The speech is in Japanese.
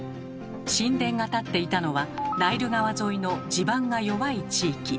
神殿が立っていたのはナイル川沿いの地盤が弱い地域。